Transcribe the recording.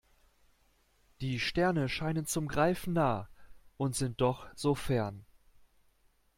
Die Sterne scheinen zum Greifen nah und sind doch so fern.